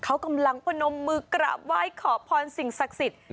เขากำลังพนมมือกราบไหว้ขอพรสิ่งศักดิ์สิทธิ์